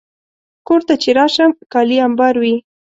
کور ته چې راشم، کالي امبار وي.